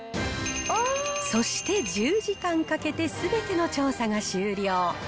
そして１０時間かけてすべての調査が終了。